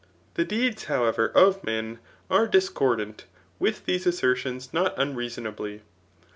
The deeds however of men are discordant with these as sertions not unreasonably.